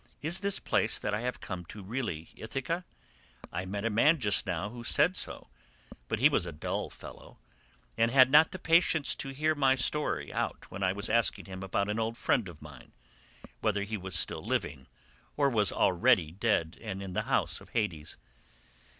Is this place that I have come to really Ithaca? I met a man just now who said so, but he was a dull fellow, and had not the patience to hear my story out when I was asking him about an old friend of mine, whether he was still living, or was already dead and in the house of Hades.